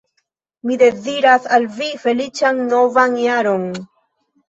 Mi deziras al vi feliĉan novan jaron!